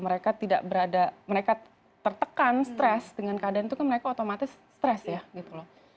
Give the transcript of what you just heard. mereka tidak berada mereka tertekan stres dengan keadaan itu kan mereka otomatis stres ya gitu loh